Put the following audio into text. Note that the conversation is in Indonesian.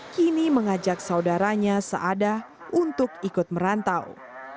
kini mengajak saudaranya seadah untuk ikut merantau